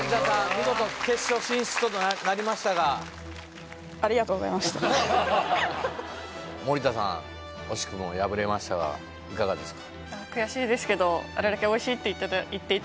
見事決勝進出となりましたが森田さん惜しくも敗れましたがいかがですか？